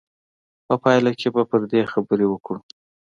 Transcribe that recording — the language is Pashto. په پایله کې به پر دې خبرې وکړو.